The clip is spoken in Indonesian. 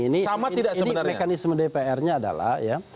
ini mekanisme dpr nya adalah ya